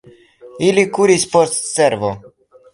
Ili kuris post cervo.